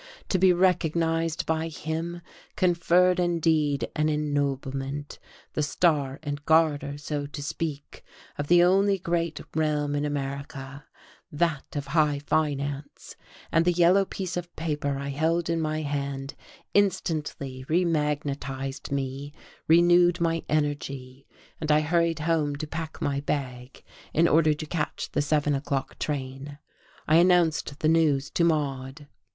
To be recognized by him conferred indeed an ennoblement, the Star and Garter, so to speak, of the only great realm in America, that of high finance; and the yellow piece of paper I held in my hand instantly re magnetized me, renewed my energy, and I hurried home to pack my bag in order to catch the seven o'clock train. I announced the news to Maude.